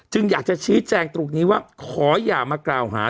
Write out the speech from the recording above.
อยากจะชี้แจงตรงนี้ว่าขออย่ามากล่าวหา